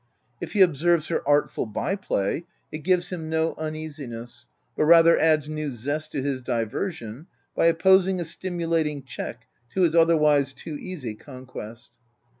If he observes her artful by play, it gives him no uneasiness, but rather adds new zest to his diversion by opposing a stimulating check to his otherwise too easy conquest.